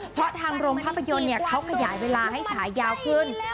เพราะทางโรงภาพยนตร์เขาขยายเวลาให้ฉายาวขึ้น